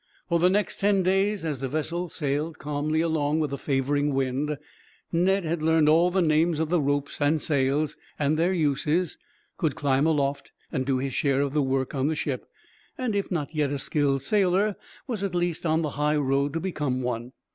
For the next ten days, as the vessel sailed calmly along, with a favoring wind, Ned had learned all the names of the ropes and sails, and their uses; could climb aloft, and do his share of the work of the ship; and if not yet a skilled sailor, was at least on the high road to become one.